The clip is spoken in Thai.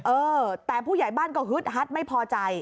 เออแต่ผู้ใหญ่บ้านก็ฮึดฮัดไม่พอใจ